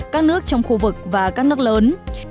các nước trong khu vực và các nước lớn